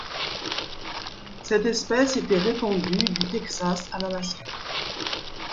Cette espèce était répandue du Texas à l’Alaska.